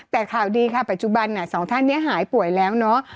แต่ข่าวดีค่ะปัจจุบันสองท่านนี้หายป่วยแล้วเนาะ